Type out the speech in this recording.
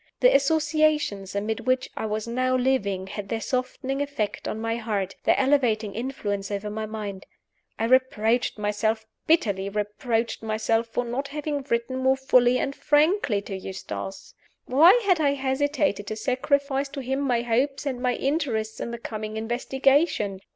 The associations amid which I was now living had their softening effect on my heart, their elevating influence over my mind. I reproached myself, bitterly reproached myself, for not having written more fully and frankly to Eustace. Why had I hesitated to sacrifice to him my hopes and my interests in the coming investigation?